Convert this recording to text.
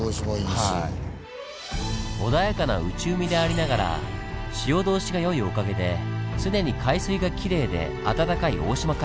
穏やかな内海でありながら潮通しがよいおかげで常に海水がきれいであたたかい大島海峡。